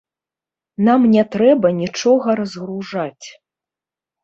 Нам не трэба нічога разгружаць.